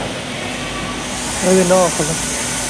Ew ê neaxivin.